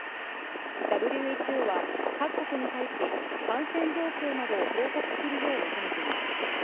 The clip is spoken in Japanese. ＷＨＯは、各国に対し、感染状況などを報告するよう求めています。